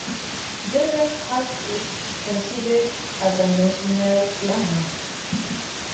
Judson's house is considered as a national landmark.